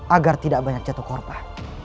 agar tidak banyak jatuh korban